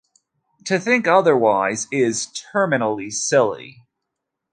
To think otherwise is terminally silly.